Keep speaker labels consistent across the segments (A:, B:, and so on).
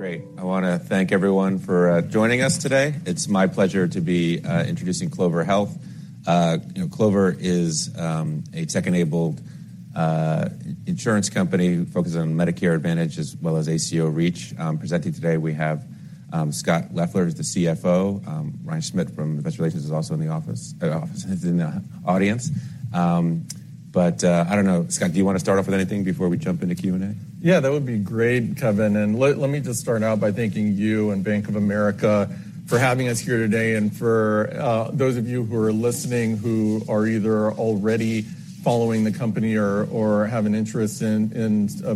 A: Great. I wanna thank everyone for joining us today. It's my pleasure to be introducing Clover Health. You know, Clover is a tech-enabled insurance company focused on Medicare Advantage as well as ACO REACH. Presenting today we have Scott Leffler, who's the CFO. Ryan Schmidt from investor relations is also in the office in the audience. But, I don't know. Scott, do you wanna start off with anything before we jump into Q&A?
B: Yeah, that would be great, Kevin. Let me just start out by thanking you and Bank of America for having us here today. For those of you who are listening who are either already following the company or have an interest in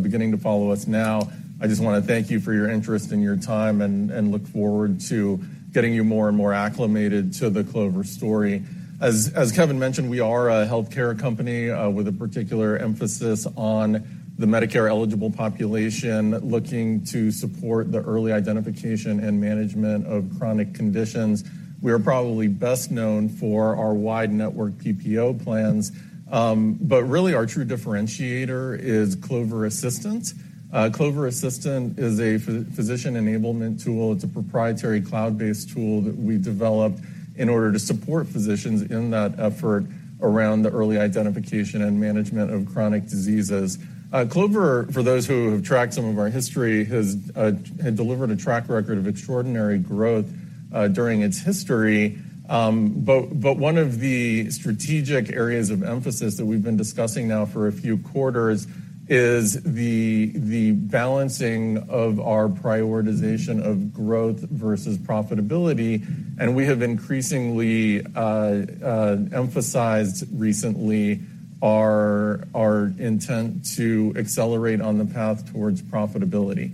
B: beginning to follow us now, I just wanna thank you for your interest and your time and look forward to getting you more and more acclimated to the Clover story. As Kevin mentioned, we are a healthcare company with a particular emphasis on the Medicare-eligible population, looking to support the early identification and management of chronic conditions. We are probably best known for our wide network PPO plans. Really our true differentiator is Clover Assistant. Clover Assistant is a physician enablement tool. It's a proprietary cloud-based tool that we developed in order to support physicians in that effort around the early identification and management of chronic diseases. Clover, for those who have tracked some of our history, has had delivered a track record of extraordinary growth during its history. One of the strategic areas of emphasis that we've been discussing now for a few quarters is the balancing of our prioritization of growth versus profitability. We have increasingly emphasized recently our intent to accelerate on the path towards profitability.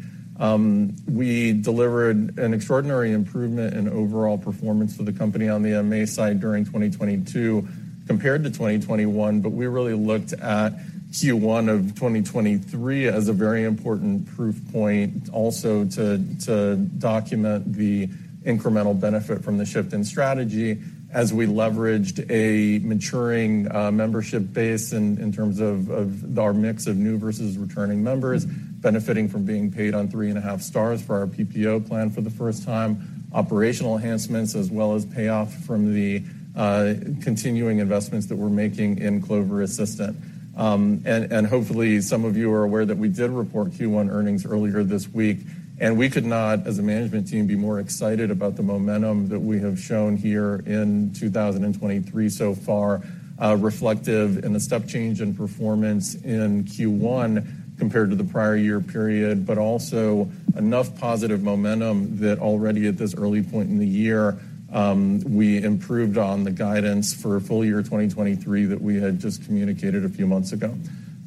B: We delivered an extraordinary improvement in overall performance for the company on the MA side during 2022 compared to 2021, but we really looked at Q1 of 2023 as a very important proof point also to document the incremental benefit from the shift in strategy as we leveraged a maturing membership base in terms of our mix of new versus returning members, benefiting from being paid on 3.5 stars for our PPO plan for the first time, operational enhancements, as well as payoff from the continuing investments that we're making in Clover Assistant. Hopefully, some of you are aware that we did report Q1 earnings earlier this week, and we could not, as a management team, be more excited about the momentum that we have shown here in 2023 so far, reflective in the step change in performance in Q1 compared to the prior year period, but also enough positive momentum that already at this early point in the year, we improved on the guidance for full year 2023 that we had just communicated a few months ago.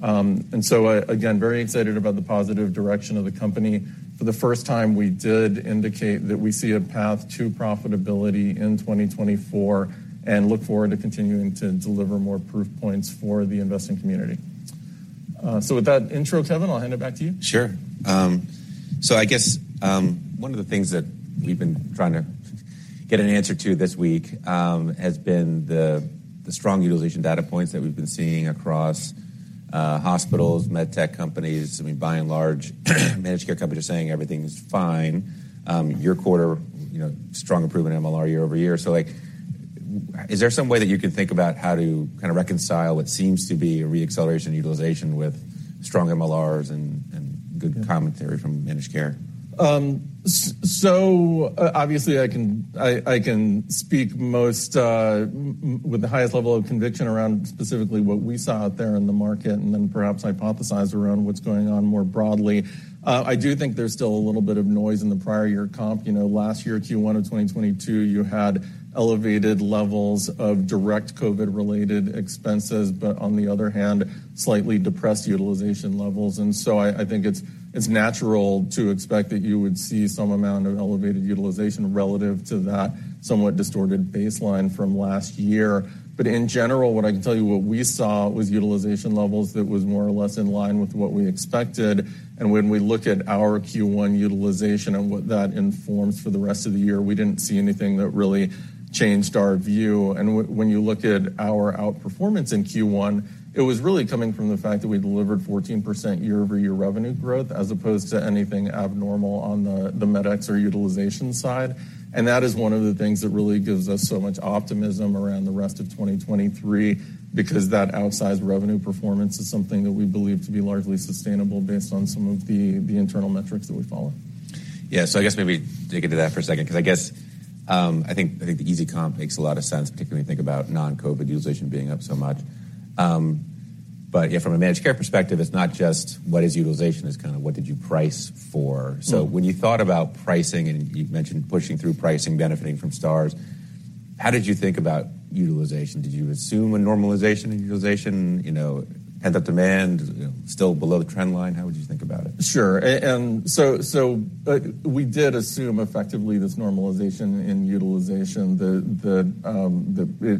B: Again, very excited about the positive direction of the company. For the first time, we did indicate that we see a path to profitability in 2024, and look forward to continuing to deliver more proof points for the investing community. With that intro, Kevin, I'll hand it back to you.
A: Sure. I guess, one of the things that we've been trying to get an answer to this week has been the strong utilization data points that we've been seeing across hospitals, med tech companies. I mean, by and large, managed care companies are saying everything's fine. Your quarter, you know, strong improvement in MLR year-over-year. Like, is there some way that you can think about how to kind of reconcile what seems to be a re-acceleration utilization with strong MLRs and good commentary from managed care?
B: Obviously I can speak most with the highest level of conviction around specifically what we saw out there in the market and then perhaps hypothesize around what's going on more broadly. I do think there's still a little bit of noise in the prior year comp. You know, last year, Q1 of 2022, you had elevated levels of direct COVID-related expenses, but on the other hand, slightly depressed utilization levels. I think it's natural to expect that you would see some amount of elevated utilization relative to that somewhat distorted baseline from last year. In general, what I can tell you what we saw was utilization levels that was more or less in line with what we expected. When we look at our Q1 utilization and what that informs for the rest of the year, we didn't see anything that really changed our view. When you look at our outperformance in Q1, it was really coming from the fact that we delivered 14% year-over-year revenue growth as opposed to anything abnormal on the medical expense or utilization side. That is one of the things that really gives us so much optimism around the rest of 2023, because that outsized revenue performance is something that we believe to be largely sustainable based on some of the internal metrics that we follow.
A: Yeah. I guess maybe dig into that for a second, 'cause I guess, I think the easy comp makes a lot of sense, particularly when you think about non-COVID utilization being up so much. Yeah, from a managed care perspective, it's not just what is utilization, it's kind of what did you price for. When you thought about pricing, and you've mentioned pushing through pricing, benefiting from Star Ratings, how did you think about utilization? Did you assume a normalization in utilization? You know, had that demand, you know, still below the trend line? How would you think about it?
B: Sure. We did assume effectively this normalization in utilization.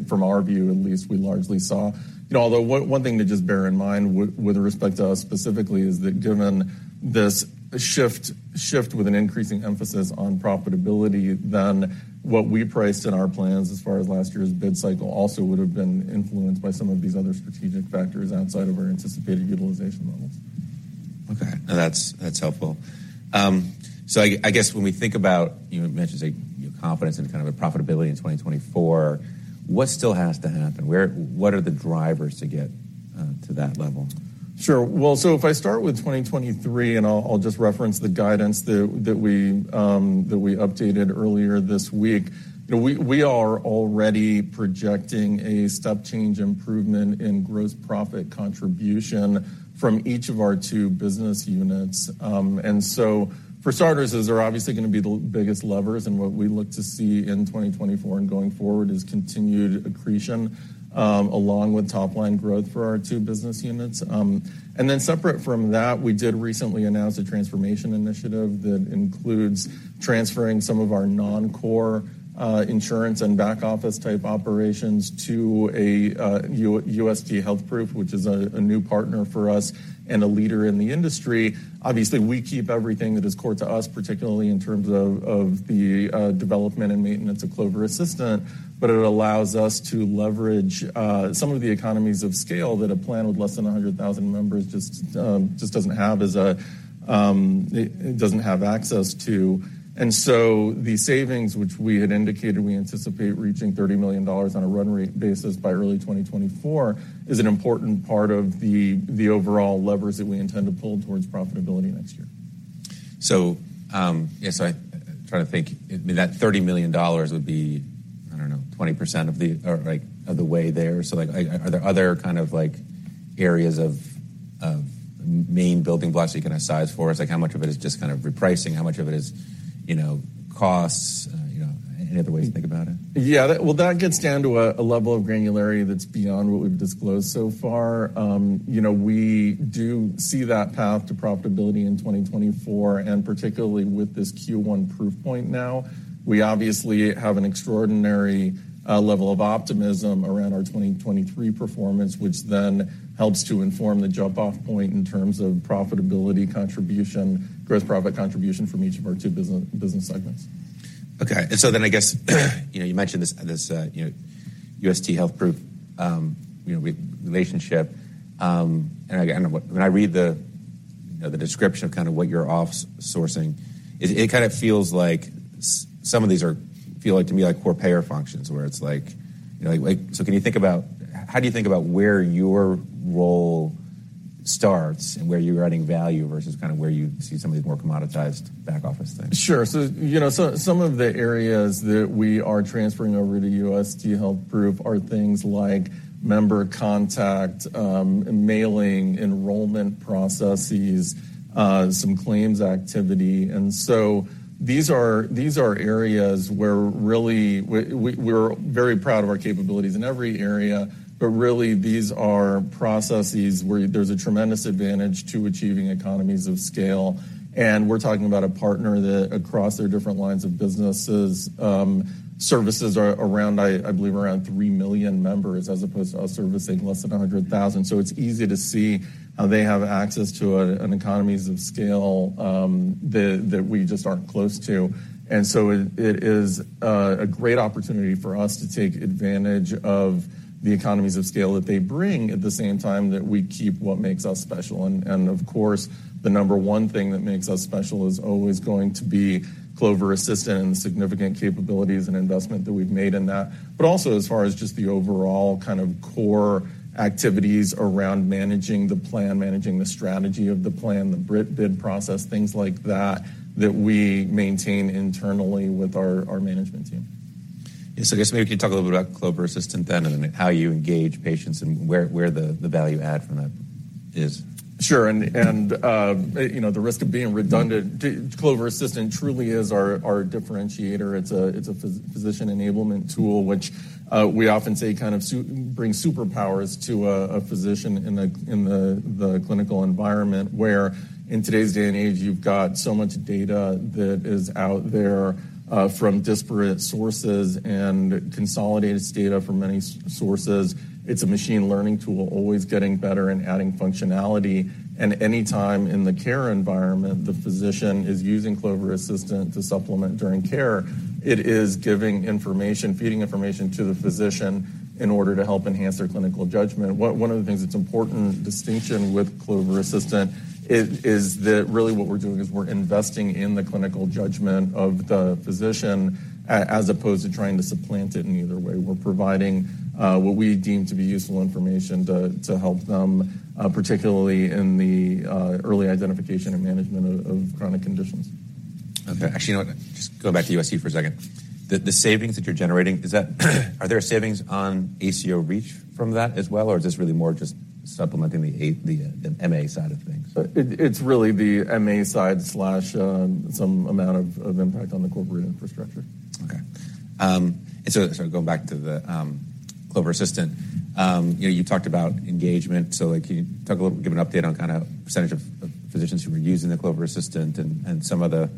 B: From our view, at least, we largely saw. You know, although one thing to just bear in mind with respect to us specifically is that given this shift with an increasing emphasis on profitability than what we priced in our plans as far as last year's bid cycle also would have been influenced by some of these other strategic factors outside of our anticipated utilization levels.
A: Okay. No, that's helpful. I guess when we think about, you know, you mentioned, say, your confidence in kind of a profitability in 2024, what still has to happen? What are the drivers to get to that level?
B: Sure. If I start with 2023, I'll just reference the guidance that we updated earlier this week. You know, we are already projecting a step change improvement in gross profit contribution from each of our two business units. For starters, those are obviously gonna be the biggest levers. What we look to see in 2024 and going forward is continued accretion, along with top-line growth for our two business units. Then separate from that, we did recently announce a transformation initiative that includes transferring some of our non-core insurance and back office type operations to UST HealthProof, which is a new partner for us and a leader in the industry. Obviously, we keep everything that is core to us, particularly in terms of the development and maintenance of Clover Assistant, but it allows us to leverage some of the economies of scale that a plan with less than 100,000 members just doesn't have as a, it doesn't have access to. The savings which we had indicated we anticipate reaching $30 million on a run-rate basis by early 2024, is an important part of the overall levers that we intend to pull towards profitability next year.
A: Yeah, I try to think. I mean, that $30 million would be, I don't know, 20% of the, like, of the way there. Like are there other kind of like areas of main building blocks you can size for us? Like how much of it is just kind of repricing, how much of it is, you know, costs, you know, any other ways to think about it?
B: Yeah. Well, that gets down to a level of granularity that's beyond what we've disclosed so far. You know, we do see that path to profitability in 2024, and particularly with this Q1 proof point now. We obviously have an extraordinary level of optimism around our 2023 performance, which then helps to inform the jump-off point in terms of profitability contribution, gross profit contribution from each of our two business segments.
A: Okay. I guess, you know, you mentioned this, you know, UST HealthProof, you know, re-relationship, and again, when I read the, you know, the description of kind of what you're off sourcing, it kind of feels like some of these are feel like to me, like core payer functions, where it's like, you know, like, how do you think about where your role starts and where you're adding value versus kind of where you see some of these more commoditized back office things?
B: Sure. You know, some of the areas that we are transferring over to UST HealthProof are things like member contact, mailing, enrollment processes, some claims activity. These are areas where really we're very proud of our capabilities in every area. Really these are processes where there's a tremendous advantage to achieving economies of scale. We're talking about a partner that across their different lines of businesses, services are around, I believe around 3 million members as opposed to us servicing less than 100,000. It's easy to see how they have access to an economies of scale that we just aren't close to. It is a great opportunity for us to take advantage of the economies of scale that they bring at the same time that we keep what makes us special. Of course, the number one thing that makes us special is always going to be Clover Assistant and the significant capabilities and investment that we've made in that. Also as far as just the overall kind of core activities around managing the plan, managing the strategy of the plan, the bid process, things like that we maintain internally with our management team.
A: Yes, I guess maybe you could talk a little bit about Clover Assistant then, and how you engage patients and where the value add from that is?
B: Sure. You know, the risk of being redundant, Clover Assistant truly is our differentiator. It's a physician enablement tool, which we often say kind of brings superpowers to a physician in the clinical environment, where in today's day and age, you've got so much data that is out there from disparate sources and consolidated data from many sources. It's a machine learning tool, always getting better and adding functionality. Any time in the care environment, the physician is using Clover Assistant to supplement during care. It is giving information, feeding information to the physician in order to help enhance their clinical judgment. One of the things that's important distinction with Clover Assistant is that really what we're doing is we're investing in the clinical judgment of the physician as opposed to trying to supplant it in either way. We're providing what we deem to be useful information to help them particularly in the early identification and management of chronic conditions.
A: Okay. Actually, you know what? Just go back to UST for a second. The savings that you're generating, are there savings on ACO REACH from that as well, or is this really more just supplementing the MA side of things?
B: It's really the MA side/some amount of impact on the corporate infrastructure.
A: Okay. So, going back to the Clover Assistant, you know, you talked about engagement. So, like, can you give an update on kinda percentage of physicians who are using the Clover Assistant and some of the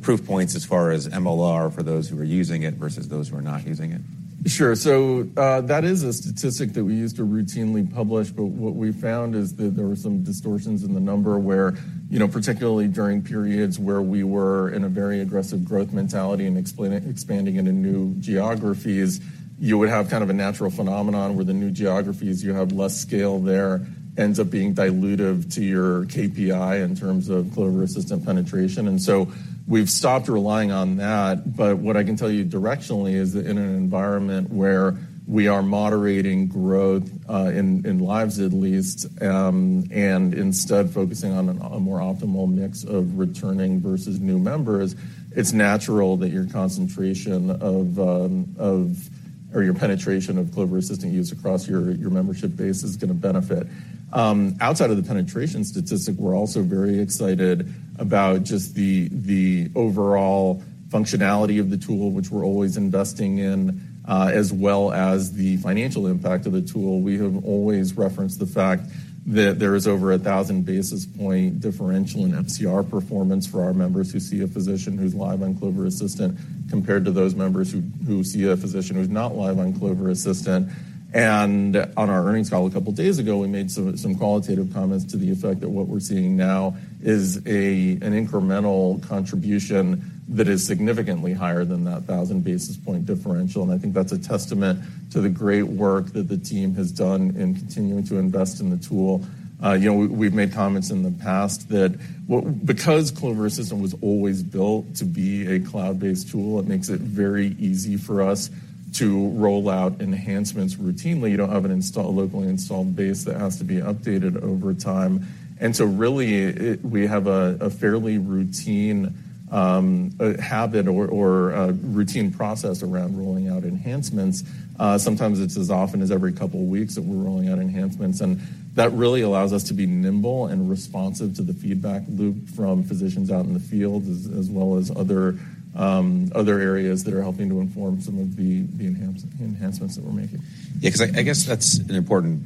A: proof points as far as MLR for those who are using it versus those who are not using it?
B: Sure. That is a statistic that we used to routinely publish, but what we found is that there were some distortions in the number where, you know, particularly during periods where we were in a very aggressive growth mentality and expanding into new geographies, you would have kind of a natural phenomenon where the new geographies, you have less scale there, ends up being dilutive to your KPI in terms of Clover Assistant penetration. We've stopped relying on that. What I can tell you directionally is that in an environment where we are moderating growth, in lives at least, and instead focusing on an, a more optimal mix of returning versus new members, it's natural that your concentration of, or your penetration of Clover Assistant used across your membership base is gonna benefit. Outside of the penetration statistic, we're also very excited about just the overall functionality of the tool which we're always investing in, as well as the financial impact of the tool. We have always referenced the fact that there is over a 1,000 basis point differential in FCR performance for our members who see a physician who's live on Clover Assistant compared to those members who see a physician who's not live on Clover Assistant. On our earnings call a couple of days ago, we made some qualitative comments to the effect that what we're seeing now is an incremental contribution that is significantly higher than that 1,000 basis point differential. I think that's a testament to the great work that the team has done in continuing to invest in the tool. You know, we've made comments in the past that because Clover Assistant was always built to be a cloud-based tool, it makes it very easy for us to roll out enhancements routinely. You don't have an installed, locally installed base that has to be updated over time. Really, we have a fairly routine habit or a routine process around rolling out enhancements. Sometimes it's as often as every couple of weeks that we're rolling out enhancements, and that really allows us to be nimble and responsive to the feedback loop from physicians out in the field as well as other areas that are helping to inform some of the enhancements that we're making.
A: Yeah, 'cause I guess that's an important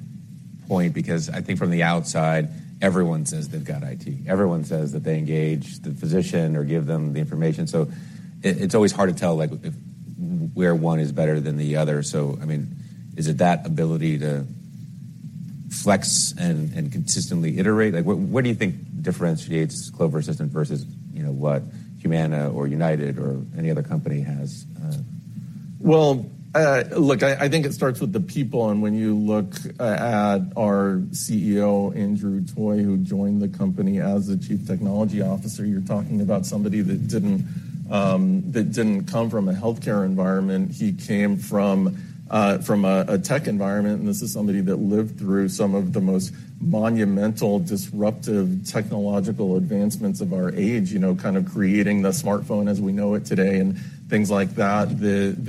A: point because I think from the outside, everyone says they've got IT. Everyone says that they engage the physician or give them the information. It's always hard to tell, like, if where one is better than the other. I mean, is it that ability to flex and consistently iterate? Like, what do you think differentiates Clover Assistant versus, you know, what Humana or United or any other company has?
B: Well, look, I think it starts with the people, and when you look at our CEO, Andrew Toy, who joined the company as the chief technology officer, you're talking about somebody that didn't come from a healthcare environment. He came from a tech environment. This is somebody that lived through some of the most monumental, disruptive technological advancements of our age, you know, kind of creating the smartphone as we know it today and things like that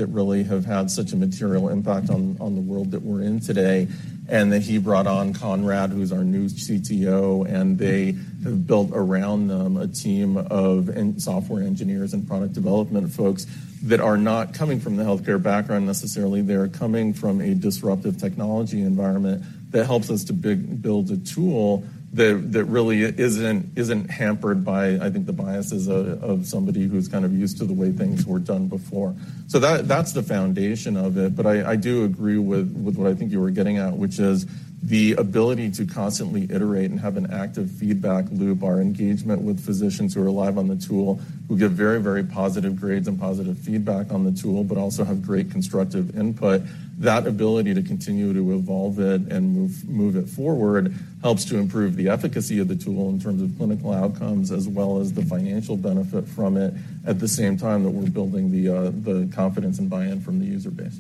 B: really have had such a material impact on the world that we're in today. Then he brought on Conrad, who's our new CTO, and they have built around them a team of software engineers and product development folks that are not coming from the healthcare background necessarily. They're coming from a disruptive technology environment that helps us to build a tool that really isn't hampered by, I think, the biases of somebody who's kind of used to the way things were done before. That's the foundation of it. I do agree with what I think you were getting at, which is the ability to constantly iterate and have an active feedback loop. Our engagement with physicians who are live on the tool, who give very positive grades and positive feedback on the tool, but also have great constructive input. That ability to continue to evolve it and move it forward helps to improve the efficacy of the tool in terms of clinical outcomes as well as the financial benefit from it. At the same time that we're building the confidence and buy-in from the user base.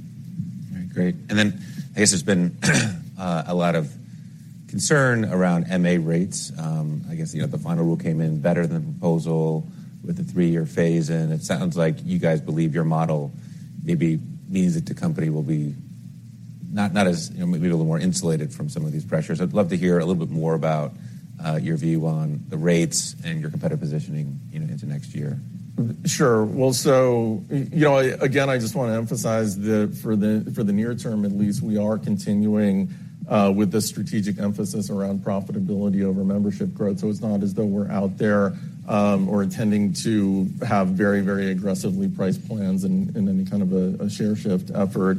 A: All right, great. I guess there's been a lot of concern around MA rates. I guess, you know, the final rule came in better than proposal with the three year phase in. It sounds like you guys believe your model maybe means that the company will be not as, you know, maybe a little more insulated from some of these pressures. I'd love to hear a little bit more about your view on the rates and your competitive positioning, you know, into next year.
B: Sure. Well, you know, again, I just wanna emphasize that for the, for the near term at least, we are continuing with the strategic emphasis around profitability over membership growth. It's not as though we're out there, or intending to have very aggressively priced plans in any kind of a share shift effort.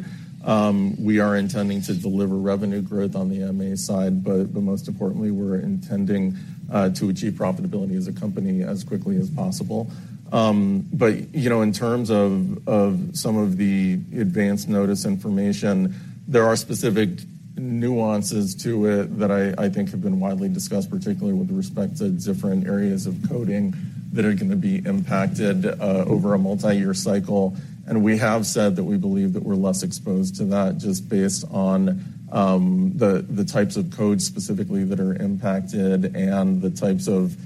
B: We are intending to deliver revenue growth on the MA side, but most importantly, we're intending to achieve profitability as a company as quickly as possible. But, you know, in terms of some of the advance notice information, there are specific nuances to it that I think have been widely discussed, particularly with respect to different areas of coding that are gonna be impacted over a multi-year cycle. We have said that we believe that we're less exposed to that just based on, the types of codes specifically that are impacted and the types of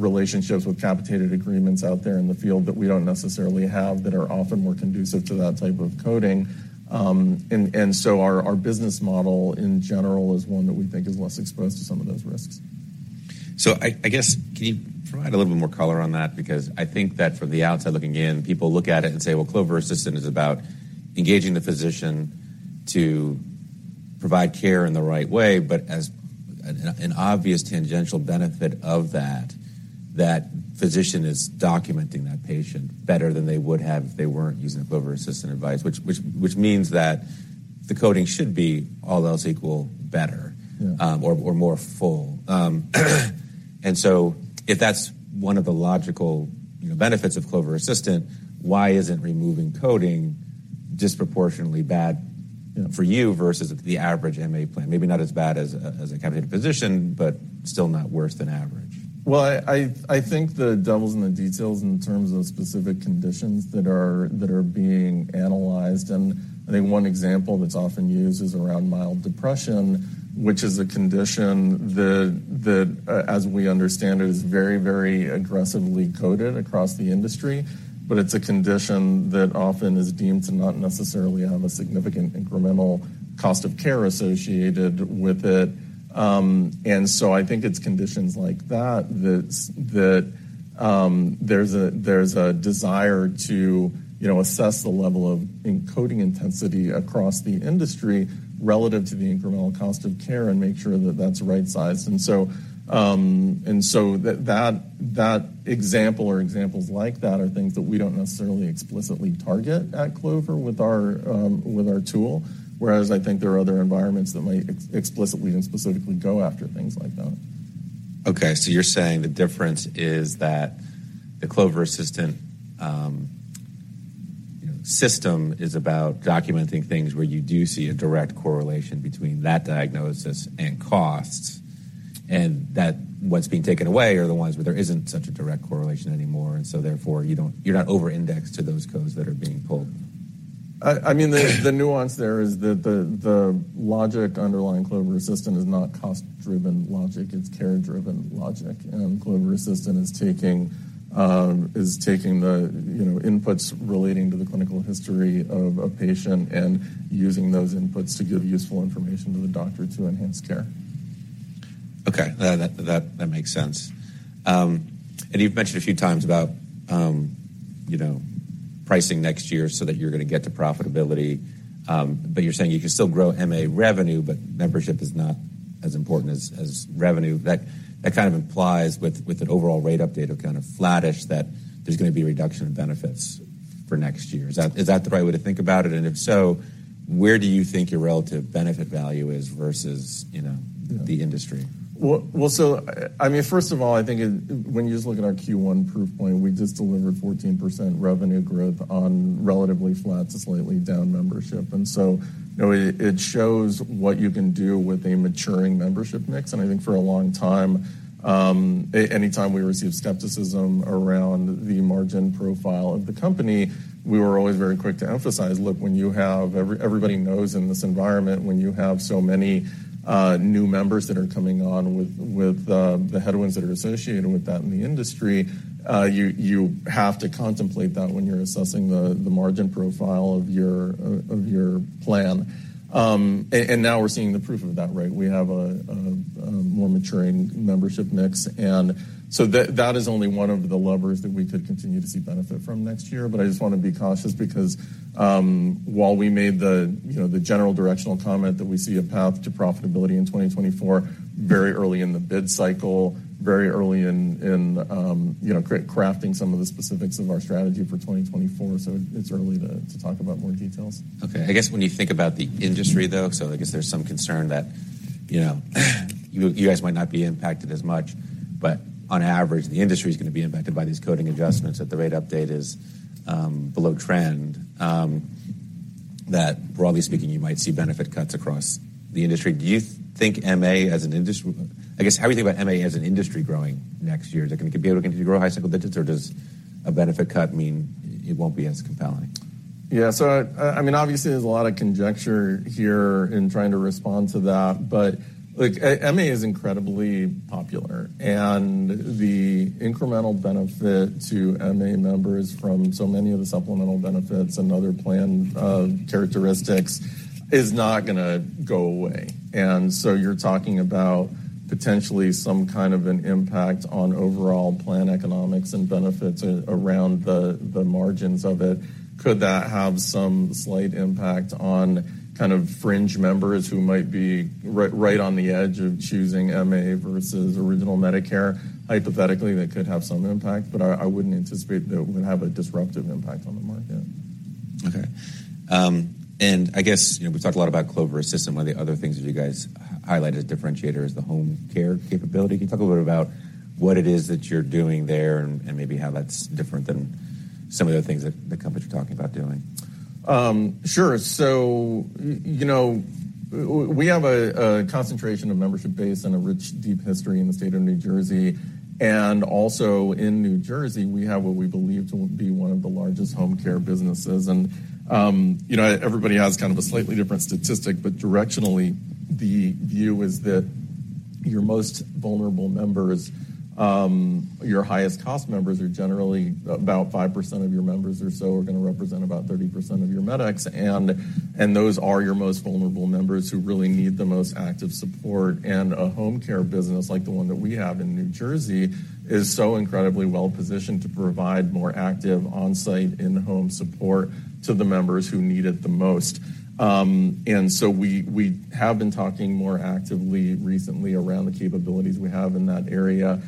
B: relationships with capitated agreements out there in the field that we don't necessarily have that are often more conducive to that type of coding. Our, our business model in general is one that we think is less exposed to some of those risks.
A: I guess, can you provide a little bit more color on that? I think that from the outside looking in, people look at it and say, "Well, Clover Assistant is about engaging the physician to provide care in the right way, but as an obvious tangential benefit of that physician is documenting that patient better than they would have if they weren't using a Clover Assistant advice which means that the coding should be all else equal better or more full. If that's one of the logical, you know, benefits of Clover Assistant, why isn't removing coding disproportionately bad?
B: Yeah.
A: for you versus the average MA plan? Maybe not as bad as a capitated physician, but still not worse than average.
B: Well, I think the devil's in the details in terms of specific conditions that are being analyzed. I think one example that's often used is around mild depression, which is a condition that, as we understand it, is very aggressively coded across the industry. It's a condition that often is deemed to not necessarily have a significant incremental cost of care associated with it. I think it's conditions like that there's a desire to, you know, assess the level of encoding intensity across the industry relative to the incremental cost of care and make sure that that's right-sized. That example or examples like that are things that we don't necessarily explicitly target at Clover with our tool. I think there are other environments that might explicitly and specifically go after things like that.
A: Okay. You're saying the difference is that the Clover Assistant, you know, system is about documenting things where you do see a direct correlation between that diagnosis and costs, and that what's being taken away are the ones where there isn't such a direct correlation anymore, and therefore you're not over-indexed to those codes that are being pulled.
B: I mean, the nuance there is the logic underlying Clover Assistant is not cost-driven logic, it's care-driven logic. Clover Assistant is taking the, you know, inputs relating to the clinical history of a patient and using those inputs to give useful information to the doctor to enhance care.
A: Okay. That makes sense. You've mentioned a few times about, you know, pricing next year so that you're gonna get to profitability, but you're saying you can still grow MA revenue, but membership is not as important as revenue. That kind of implies with an overall rate update of kind of flattish, that there's gonna be a reduction in benefits for next year. Is that the right way to think about it? If so, where do you think your relative benefit value is versus, you know, the industry?
B: Well, first of all, I think when you just look at our Q1 proof point, we just delivered 14% revenue growth on relatively flat to slightly down membership. You know, it shows what you can do with a maturing membership mix. I think for a long time, anytime we receive skepticism around the margin profile of the company, we were always very quick to emphasize, look, when you have everybody knows in this environment, when you have so many new members that are coming on with the headwinds that are associated with that in the industry, you have to contemplate that when you're assessing the margin profile of your plan. And now we're seeing the proof of that, right? We have a more maturing membership mix. That, that is only one of the levers that we could continue to see benefit from next year. I just wanna be cautious because, while we made the, you know, the general directional comment that we see a path to profitability in 2024, very early in the bid cycle, very early in, you know, crafting some of the specifics of our strategy for 2024, it's early to talk about more details.
A: Okay. I guess when you think about the industry, though, I guess there's some concern that, you know, you guys might not be impacted as much, but on average, the industry is gonna be impacted by these coding adjustments if the rate update is below trend. That broadly speaking, you might see benefit cuts across the industry. How are you think about MA as an industry growing next year? Is that gonna be able to continue to grow high single digits or does a benefit cut mean it won't be as compelling?
B: Yeah. I mean, obviously, there's a lot of conjecture here in trying to respond to that, but, look, MA is incredibly popular. The incremental benefit to MA members from so many of the supplemental benefits and other plan characteristics is not gonna go away. You're talking about potentially some kind of an impact on overall plan economics and benefits around the margins of it. Could that have some slight impact on kind of fringe members who might be right on the edge of choosing MA versus Original Medicare? Hypothetically, that could have some impact, but I wouldn't anticipate that it would have a disruptive impact on the market.
A: Okay. I guess, you know, we've talked a lot about Clover Assistant. One of the other things that you guys highlighted as differentiator is the home care capability. Can you talk a little bit about what it is that you're doing there and maybe how that's different than some of the things that the companies are talking about doing?
B: Sure. you know, we have a concentration of membership base and a rich, deep history in the state of New Jersey. Also in New Jersey, we have what we believe to be one of the largest home care businesses. you know, everybody has kind of a slightly different statistic, but directionally, the view is that your most vulnerable members, Your highest cost members are generally about 5% of your members or so are gonna represent about 30% of your medics, and those are your most vulnerable members who really need the most active support. A home care business like the one that we have in New Jersey is so incredibly well positioned to provide more active onsite in-home support to the members who need it the most. We have been talking more actively recently around the capabilities we have in that area.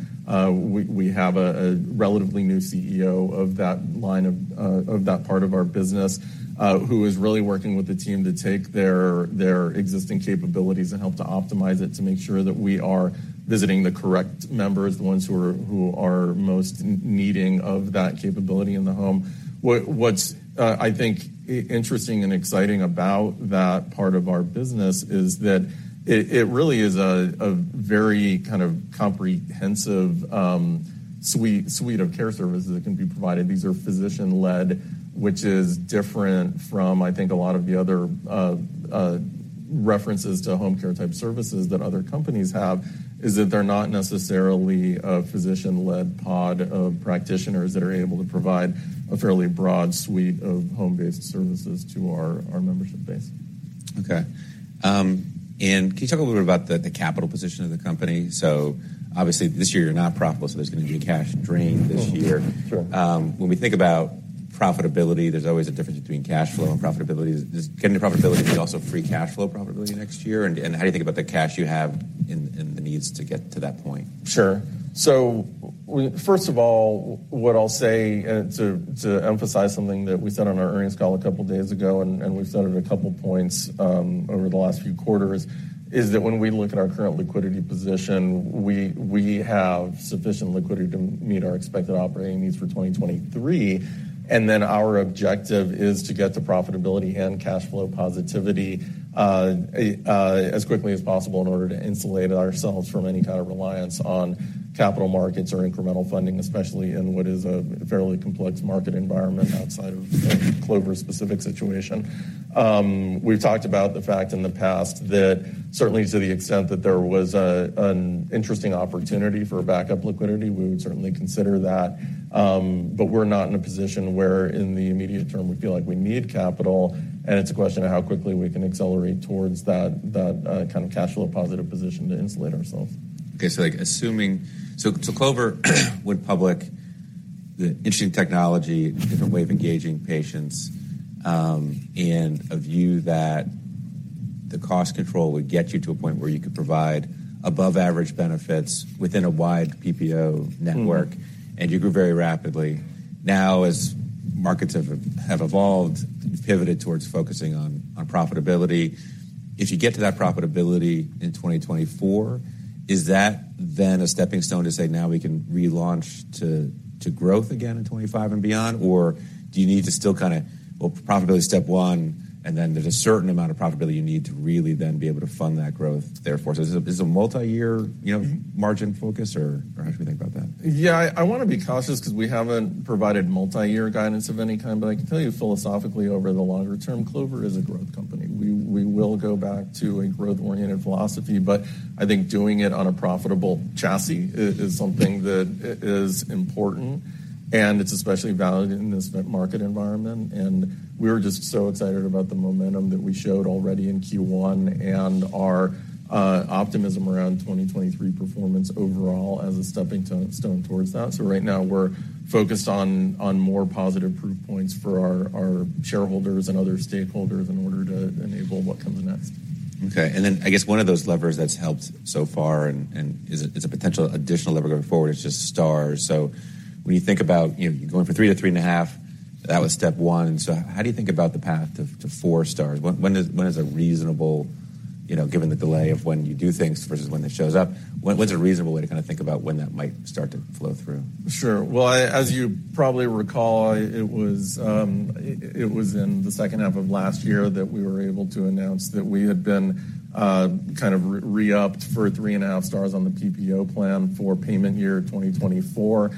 B: We have a relatively new CEO of that line of that part of our business who is really working with the team to take their existing capabilities and help to optimize it to make sure that we are visiting the correct members, the ones who are most needing of that capability in the home. What's I think interesting and exciting about that part of our business is that it really is a very kind of comprehensive suite of care services that can be provided. These are physician-led, which is different from, I think, a lot of the other references to home care type services that other companies have, is that they're not necessarily a physician-led pod of practitioners that are able to provide a fairly broad suite of home-based services to our membership base.
A: Okay. Can you talk a little bit about the capital position of the company? Obviously, this year you're not profitable, so there's gonna be cash drain this year.
B: Sure.
A: When we think about profitability, there's always a difference between cash flow and profitability. Getting to profitability, but also free cash flow profitability next year, and how do you think about the cash you have and the needs to get to that point?
B: Sure. First of all, what I'll say, and to emphasize something that we said on our earnings call a couple of days ago and we've said it a couple points over the last few quarters, is that when we look at our current liquidity position, we have sufficient liquidity to meet our expected operating needs for 2023. Our objective is to get to profitability and cash flow positivity as quickly as possible in order to insulate ourselves from any kind of reliance on capital markets or incremental funding, especially in what is a fairly complex market environment outside of Clover specific situation. We've talked about the fact in the past that certainly to the extent that there was an interesting opportunity for backup liquidity, we would certainly consider that. We're not in a position where in the immediate term, we feel like we need capital, and it's a question of how quickly we can accelerate towards that kind of cash flow positive position to insulate ourselves.
A: Okay. Like, so Clover went public, the interesting technology, different way of engaging patients, and a view that the cost control would get you to a point where you could provide above average benefits within a wide PPO network, and you grew very rapidly. As markets have evolved, you've pivoted towards focusing on profitability. If you get to that profitability in 2024, is that a stepping stone to say, now we can relaunch to growth again in 2025 and beyond? Do you need to still kinda, well, profitability step one, there's a certain amount of profitability you need to really be able to fund that growth therefore? Is it a multi-year, you know, margin focus or how should we think about that?
B: Yeah. I wanna be cautious 'cause we haven't provided multi-year guidance of any kind. I can tell you philosophically, over the longer term, Clover is a growth company. We will go back to a growth-oriented philosophy. I think doing it on a profitable chassis is something that is important, and it's especially valid in this market environment. We're just so excited about the momentum that we showed already in Q1 and our optimism around 2023 performance overall as a stepping stone towards that. Right now we're focused on more positive proof points for our shareholders and other stakeholders in order to enable what comes next.
A: I guess one of those levers that's helped so far and is a potential additional lever going forward is just stars. When you think about, you know, going for 3-3.5, that was step one. How do you think about the path to four stars? When is a reasonable, you know, given the delay of when you do things versus when it shows up, when's a reasonable way to kinda think about when that might start to flow through?
B: As you probably recall, it was in the second half of last year that we were able to announce that we had been re-upped for 3.5 stars on the PPO plan for payment year 2024.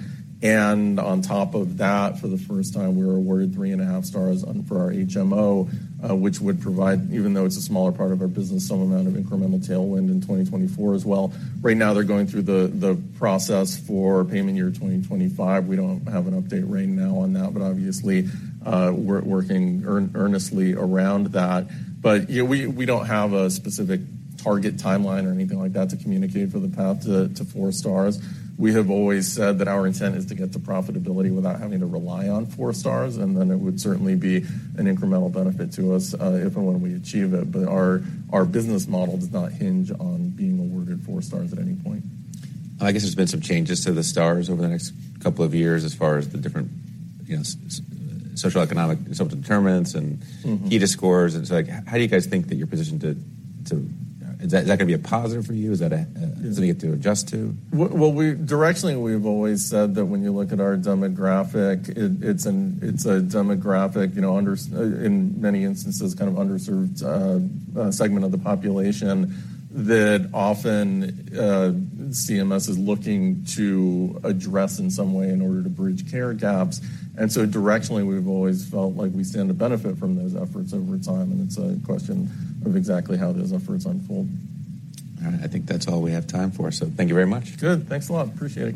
B: On top of that, for the first time, we were awarded 3.5 stars on for our HMO, which would provide, even though it's a smaller part of our business, some amount of incremental tailwind in 2024 as well. Right now they're going through the process for payment year 2025. We don't have an update right now on that, obviously, we're working earnestly around that. Yeah, we don't have a specific target timeline or anything like that to communicate for the path to four stars. We have always said that our intent is to get to profitability without having to rely on four stars, and then it would certainly be an incremental benefit to us if and when we achieve it. Our business model does not hinge on being awarded four stars at any point.
A: I guess there's been some changes to the stars over the next couple of years as far as the different, you know, social economic determinants and HEDIS scores. Like, how do you guys think that you're positioned to? Is that gonna be a positive for you? Do you have to adjust to?
B: Well, directionally, we've always said that when you look at our demographic, it's a demographic, you know, in many instances, kind of underserved segment of the population that often CMS is looking to address in some way in order to bridge care gaps. Directionally, we've always felt like we stand to benefit from those efforts over time, and it's a question of exactly how those efforts unfold.
A: All right. I think that's all we have time for. Thank you very much.
B: Good. Thanks a lot. Appreciate it.